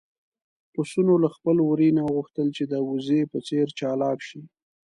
پسونو له خپل وري نه وغوښتل چې د وزې په څېر چالاک شي.